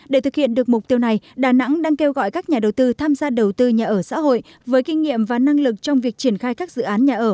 để thực hiện được mục tiêu này đà nẵng đang kêu gọi các nhà đầu tư tham gia đầu tư nhà ở xã hội với kinh nghiệm và năng lực trong việc triển khai các dự án nhà ở